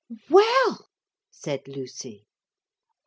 'Well!' said Lucy.